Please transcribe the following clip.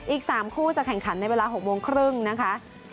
อีก๓คู่จะแข่งขันในเวลา๖โมงครึ่งนะคะ